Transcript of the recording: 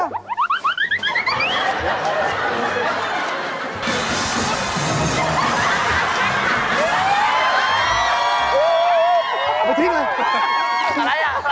อะไรล่ะ